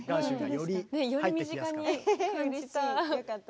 より身近に感じた。